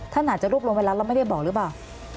ท่านอาจจะลูกลงไวรัสเราไม่ได้บอกหรือเปล่า